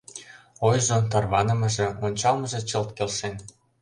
Ойжо, тарванымыже, ончалмыже чылт келшен.